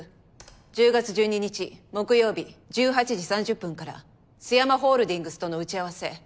１０月１２日木曜日１８時３０分からスヤマホールディングスとの打ち合わせ。